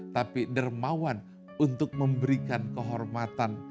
tapi dermawan untuk memberikan kehormatan